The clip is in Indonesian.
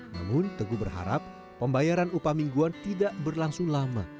namun teguh berharap pembayaran upah mingguan tidak berlangsung lama